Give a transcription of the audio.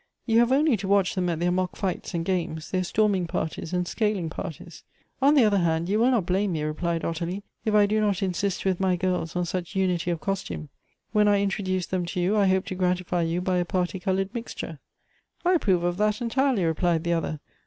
You have only to watch them at their mock fights and games, their storming parties and scaling parties." " On the other hand, you will not blame me," replied Ottilie, " if I do not insist with my girls on such unity of costume. When I introduce them to you, 1 hope to gratify you by a party colored mixture." " I approve of that, entirely," Replied the other.